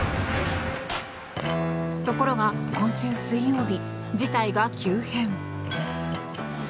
ところが、今週水曜日事態が急変。